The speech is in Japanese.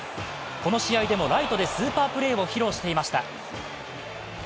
この試合でもライトでスーパープレーを披露していました。